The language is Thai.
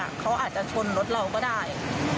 แล้วตามหายาดของแม่ลูกคู่นี้